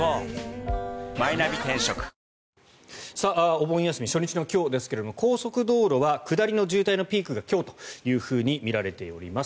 お盆休み初日の今日ですが高速道路は下りの渋滞のピークが今日というふうにみられております。